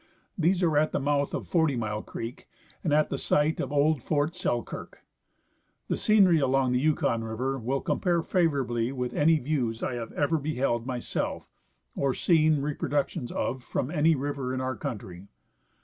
These are at the mouth of Forty Mile creek and at the site of old fort Selkirk. The scenery along Yukon river will compare favorabl}^ with any views I have ever beheld myself or seen reproductions of from any river in our country.